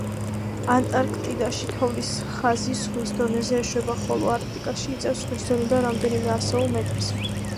ანტარქტიდაში თოვლის ხაზი ზღვის დონეზე ეშვება, ხოლო არქტიკაში იწევს ზღვის დონიდან რამდენიმე ასეულ მეტრზე.